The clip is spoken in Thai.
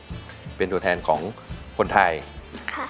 คุณแม่รู้สึกยังไงในตัวของกุ้งอิงบ้าง